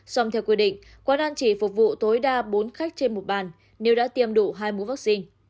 xong theo quy định quán ăn chỉ phục vụ tối đa bốn khách trên một bàn nếu đã tiêm đủ hai mũ vaccine